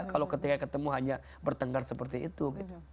kalau ketika ketemu hanya bertengkar seperti itu